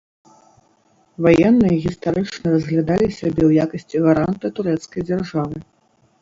Ваенныя гістарычна разглядалі сябе ў якасці гаранта турэцкай дзяржавы.